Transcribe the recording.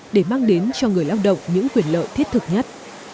để mang đến cho người lao động những quyền lợi thiết thực nhất